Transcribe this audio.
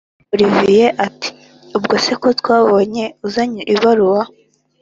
olivier ati”ubwo se ko twabonye uzanye ibaruwa